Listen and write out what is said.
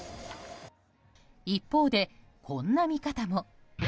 一方で、こんな見方も。